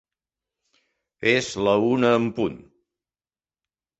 És la una en punt.